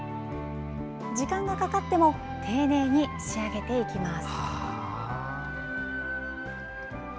時間がかかっても丁寧に仕上げていきます。